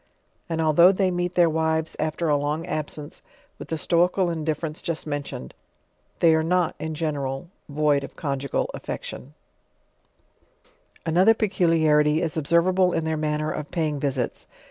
and, although they meet their wives after a long aba ?nbo '.vali tiio stoical indiffer ence just mentioned, they are uot jii ^ucval, void of congu* gal affection. 4 50 JOURNAL OF Another peculiarity is observable in their manner of pay ing visits.